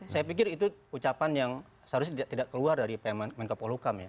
saya pikir itu ucapan yang seharusnya tidak keluar dari pemenang kepolokan